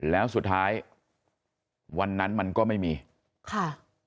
แล้วสุดท้ายวันนั้นมันก็ไม่มีค่ะ